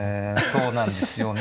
そうなんですよね